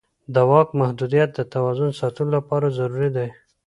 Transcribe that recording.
د واک محدودیت د توازن ساتلو لپاره ضروري دی